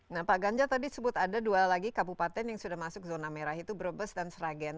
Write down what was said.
nah pak ganjar tadi sebut ada dua lagi kabupaten yang sudah masuk zona merah itu brebes dan sragen